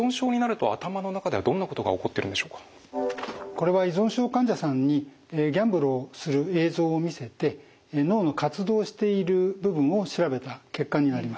これは依存症患者さんにギャンブルをする映像を見せて脳の活動している部分を調べた結果になります。